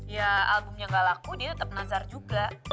ya albumnya nggak laku dia tetep nazar juga